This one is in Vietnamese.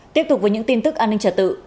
tiếp tục với những tin tức an ninh trật tự